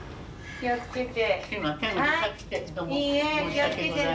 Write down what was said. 気を付けて。